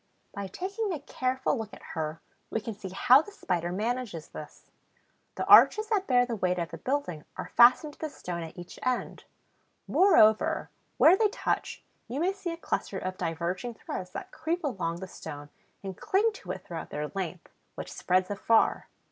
By taking a careful look at her we can see how the Spider manages this. The arches that bear the weight of the building are fastened to the stone at each end. Moreover, where they touch, you may see a cluster of diverging threads that creep along the stone and cling to it throughout their length, which spreads afar.